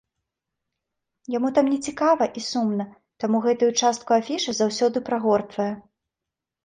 Яму там нецікава і сумна, таму гэтую частку афішы заўсёды прагортвае.